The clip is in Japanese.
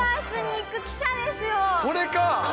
これか！